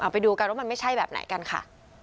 ไปดูกันว่ามันไม่ใช่แบบไหนกันค่ะ